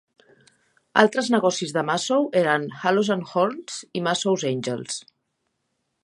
Altres negocis de Massow eren "Halos and Horns" i "Massows Angels".